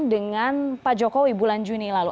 dengan pak jokowi bulan juni lalu